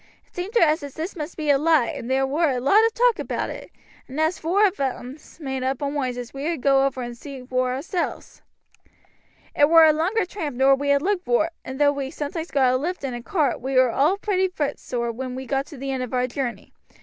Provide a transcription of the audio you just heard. It seemed to us as this must be a lie, and there war a lot of talk oor it, and at last vour on us made up our moinds as we would go over and see vor ourselves. "It war a longer tramp nor we had looked vor, and though we sometoimes got a lift i' a cart we was all pretty footsore when we got to the end of our journey.